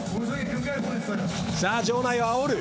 さあ場内をあおる。